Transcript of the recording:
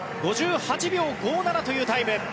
５８秒５７というタイム。